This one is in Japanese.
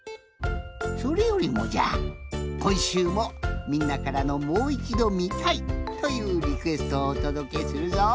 それよりもじゃこんしゅうもみんなからの「もういちどみたい」というリクエストをおとどけするぞ。